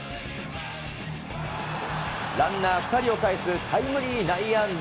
ランナー２人をかえすタイムリー内野安打。